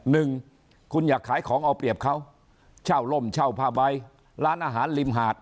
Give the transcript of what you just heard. หนึ่งคุณอยากขายของเอาเปรียบเขาเช่าล่มเช่าผ้าใบร้านอาหารริมหาด